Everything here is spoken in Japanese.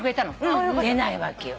出ないわけよ。